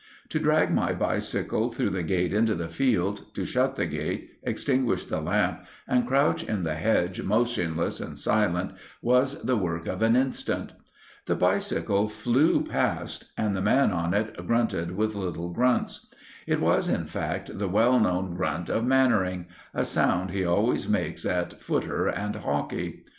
To drag my bicycle through the gate into the field, to shut the gate, extinguish the lamp, and crouch in the hedge motionless and silent, was the work of an instant. The bicycle flew past and the man on it grunted with little grunts. It was, in fact, the well known grunt of Mannering—a sound he always makes at footer and hockey.